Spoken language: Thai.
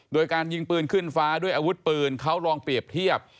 โดยการยิงปืนขึ้นฟ้าด้วยอาวุธปืนเขาลองเปรียบเทียบ